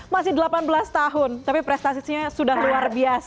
masih delapan belas tahun tapi prestasinya sudah luar biasa